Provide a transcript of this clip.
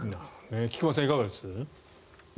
菊間さん、いかがです？